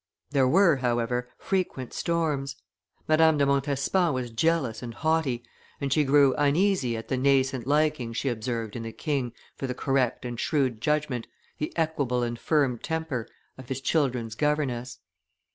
There were, however, frequent storms; Madame de Montespan was jealous and haughty, and she grew uneasy at the nascent liking she observed in the king for the correct and shrewd judgment, the equable and firm temper, of his children's governess.